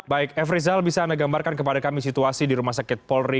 baik f rizal bisa anda gambarkan kepada kami situasi di rumah sakit polri